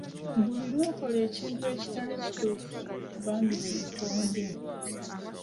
Buli lw'okola ekintu ekitali kituufu, bambi weetonde.